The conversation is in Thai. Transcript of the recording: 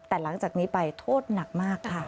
แต่หลังจากนี้ไปโทษหนักมากค่ะ